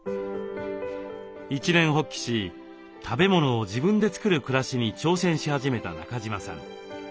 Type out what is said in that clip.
一念発起し食べ物を自分で作る暮らしに挑戦し始めた中島さん。